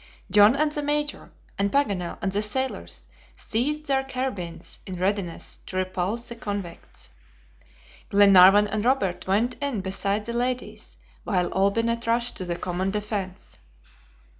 John and the Major, and Paganel and the sailors seized their carbines in readiness to repulse the convicts. Glenarvan and Robert went in beside the ladies, while Olbinett rushed to the common defense.